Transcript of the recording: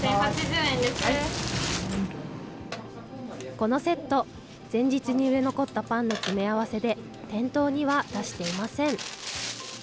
このセット、前日に売れ残ったパンの詰め合わせで、店頭には出していません。